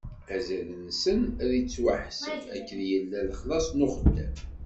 Azal-nsen ad ittwaḥseb akken yella lexlaṣ n uxeddam.